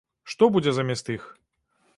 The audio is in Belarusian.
Што будзе замест іх?